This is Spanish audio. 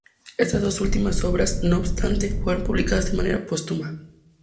Estas dos últimas obras, no obstante, fueron publicadas de manera póstuma.